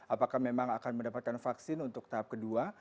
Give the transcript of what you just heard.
apakah memang akan mendapatkan vaksin untuk tahap kedua